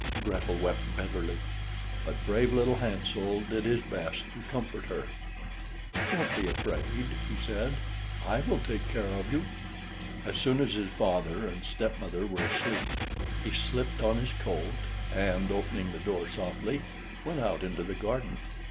Gretel wept bitterly, but brave little Hansel did his best to comfort her. "Don't be afraid," he said; "I will take care of you." As soon as his father and stepmother were asleep, he slipped on his coat, and opening the door softly, went out into the garden.